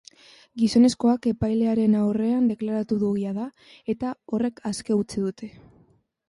Gizonezkoak epailearen aurrean deklaratu du jada, eta horrek aske utzi du.